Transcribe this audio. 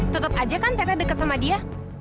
tetep aja kan teteh deket sama dia